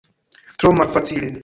Tro malfacile.